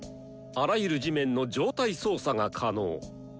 あらゆる地面の状態操作が可能。